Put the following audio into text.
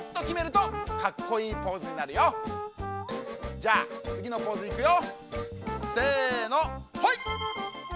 じゃあつぎのポーズいくよ。